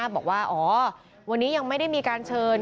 บอกว่าอ๋อวันนี้ยังไม่ได้มีการเชิญ